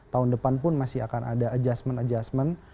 tahun depan pun masih akan ada adjustment adjustment